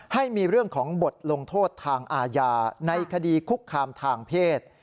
ให้มีเรื่องของบทลงโทษทางอาญาในคดีคุกคามทางเพศ